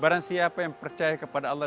barang siapa yang percaya kepada allah